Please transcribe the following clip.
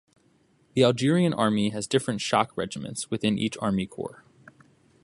The Algerian army has different shock regiments within each army corps.